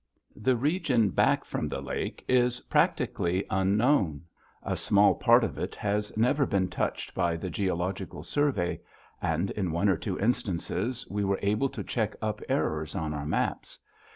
The region back from the lake is practically unknown. A small part of it has never been touched by the Geological Survey, and, in one or two instances, we were able to check up errors on our maps.